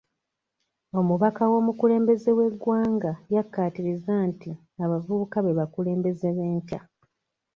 Omubaka w'omukulembeze w'eggwanga yakkaatiriza nti abavubuka be bakulembeze b'enkya .